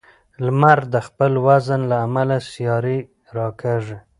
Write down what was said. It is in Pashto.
لمر د خپل وزن له امله سیارې راکاږي.